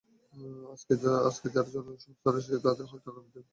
আজকে যারা যৌন-সন্ত্রাসী, তাদেরই হয়তো আগামী দিনে পুলিশ হিসেবে দেখা যাবে।